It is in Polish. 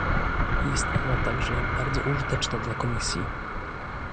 Jest ona także bardzo użyteczna dla Komisji